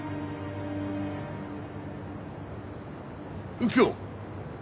右京。